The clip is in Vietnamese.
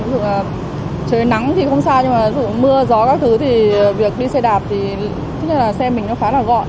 ví dụ là trời nắng thì không sao nhưng mà mưa gió các thứ thì việc đi xe đạp thì xe mình nó khá là gọn